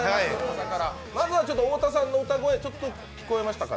まずは太田さんの歌声聴きましたか？